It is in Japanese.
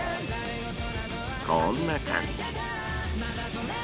こんな感じ。